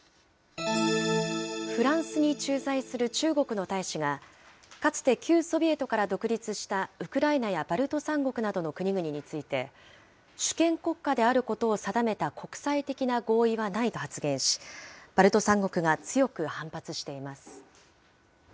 フランスに駐在する中国の大使が、かつて旧ソビエトから独立したウクライナやバルト三国などの国々について、主権国家であることを定めた国際的な合意はないと発言し、バルト三国が強く反発しています。